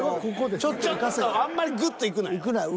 ちょっとあんまりグッといくなよ。